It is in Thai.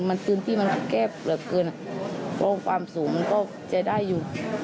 มันพื้นที่มันก็แคบเหลือเกินเพราะความสูงมันก็จะได้อยู่